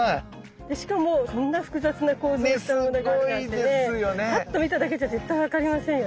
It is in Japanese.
しかもこんな複雑な構造したものがあるなんてねパッと見ただけじゃ絶対分かりませんよね。